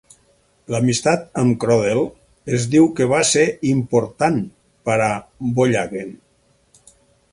L'amistat amb Crodel es diu que va ser important per a Bollhagen.